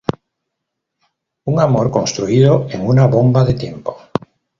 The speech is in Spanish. Un amor construido en una bomba de tiempo.